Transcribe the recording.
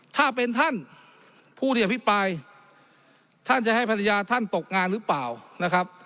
ถ้าเป็นท่านผู้ที่อภิปรายท่านจะให้ภรรยาท่านตกงานหรือเปล่านะครับ